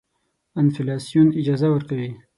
انفلاسیون اجازه ورکوي.